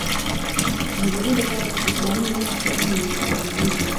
نو ددی لپاره چی په اسلامی امت کی امن او سوکالی وی